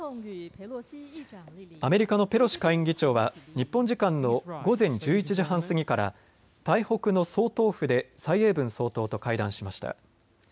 アメリカのペロシ下院議長は日本時間の午前１１時半過ぎから台北の総統府で蔡英文総統と会談しました。